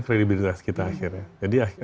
kredibilitas kita akhirnya jadi